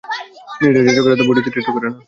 মিলিটারির যাজকেরা তো বডিতে ট্যাটু করে না।